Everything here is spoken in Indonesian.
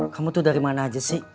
kamu tuh dari mana aja sih